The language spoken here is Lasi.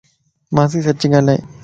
مانسين سچ ڳالھائي